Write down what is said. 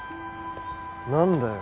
何だよ？